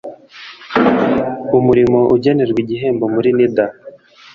umurimo ugenerwa igihembo muri nida